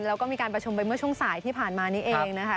แล้วก็มีการประชุมไปเมื่อช่วงสายที่ผ่านมานี้เองนะคะ